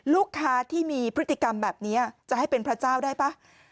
ลูกค้าที่มีพฤติกรรมแบบนี้จะให้เป็นพระเจ้าได้ป่ะ